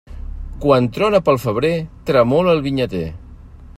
Quan trona pel febrer tremola el vinyater.